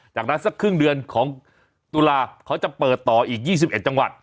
จากนั้นสักครึ่งเดือนของตุลาเขาจะเปิดต่ออีก๒๑จังหวัด